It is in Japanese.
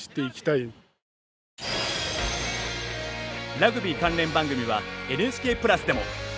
ラグビー関連番組はＮＨＫプラスでも。